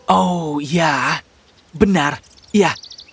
oh ya benar ya